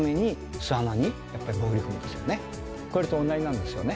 これと同じなんですよね。